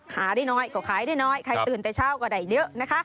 หาได้น้อยก็ขายได้น้อยใครตื่นแต่เช้าก็ได้เยอะนะคะ